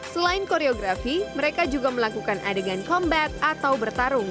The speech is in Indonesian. selain koreografi mereka juga melakukan adegan combat atau bertarung